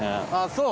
そう？